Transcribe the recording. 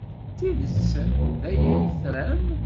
D tidet d aya ay tram?